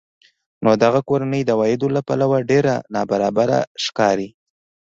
نو دغه کورنۍ د عوایدو له پلوه ډېره نابرابره ښکاري